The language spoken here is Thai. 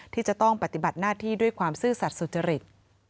ที่จะต้องปฏิบัติหน้าที่ด้วยความซื่อสัตว์สุจริต